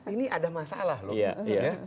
ini ada masalah loh